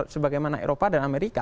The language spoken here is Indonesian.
sebagaimana eropa dan amerika